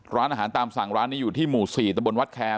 ร้านอาหารตามสั่งร้านนี้อยู่ที่หมู่๔ตะบนวัดแคร์